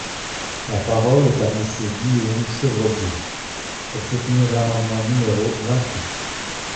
La parole est à Monsieur Guillaume Chevrollier, pour soutenir l’amendement numéro vingt-huit.